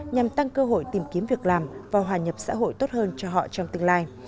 nhằm tăng cơ hội tìm kiếm việc làm và hòa nhập xã hội tốt hơn cho họ trong tương lai